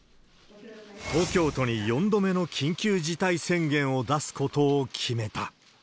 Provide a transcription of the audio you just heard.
東京都に４度目の緊急事態宣言を出すことを決めた。